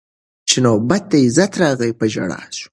چي نوبت د عزت راغی په ژړا سو